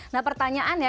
nah pertanyaan ya